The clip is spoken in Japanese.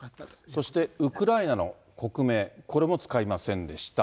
そしてウクライナの国名、これも使いませんでした。